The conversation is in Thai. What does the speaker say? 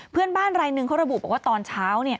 เพื่อนบ้านรายหนึ่งเขาระบุบอกว่าตอนเช้า